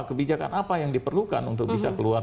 kebijakan apa yang diperlukan untuk bisa keluar